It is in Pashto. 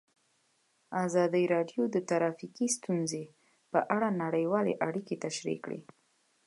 ازادي راډیو د ټرافیکي ستونزې په اړه نړیوالې اړیکې تشریح کړي.